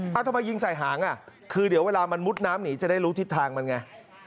เอาทำไมยิงใส่หางอ่ะคือเดี๋ยวเวลามันมุดน้ำหนีจะได้รู้ทิศทางมันไง